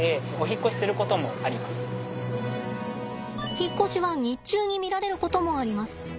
引っ越しは日中に見られることもあります。